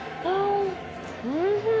おいしい。